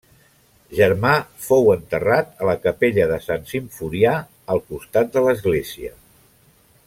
Germà fou enterrat a la capella de Sant Simforià al costat de l'església.